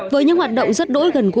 với những hoạt động rất đối gần quốc gia